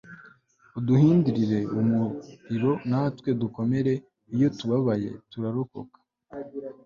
uduhindure umuriro, natwe dukomere. iyo tubabaye, turarokoka